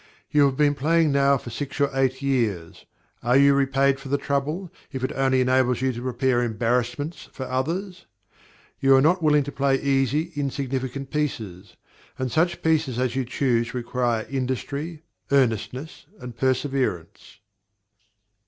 You have been playing now for six or eight years: are you repaid for the trouble, if it only enables you to prepare embarrassments for others? You are not willing to play easy, insignificant pieces; and such pieces as you choose require industry, earnestness, and perseverance.